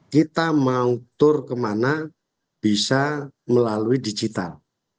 kita mau tur kemana bisa melalui digital